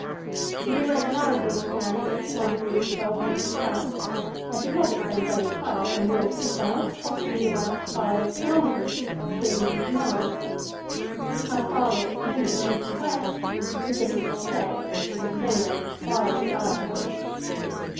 The irregularities began in 81° 12' S., and did not extend very far from north to south possibly about five kilometres (three and a quarter miles). How far they extended from east to west it is difficult to say, but at any rate as far as the eye could reach.